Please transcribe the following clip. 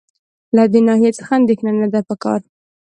له دې ناحیې څخه اندېښنه نه ده په کار.